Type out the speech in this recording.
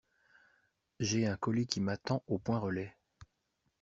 J'ai un colis qui m'attend au point relais.